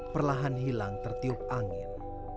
perlahan hilang tertiup angin